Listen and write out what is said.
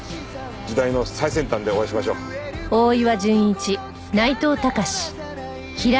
時代の最先端でお会いしましょう。小春。